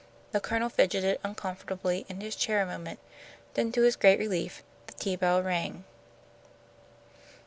The Colonel fidgeted uncomfortably in his chair a moment. Then to his great relief the tea bell rang.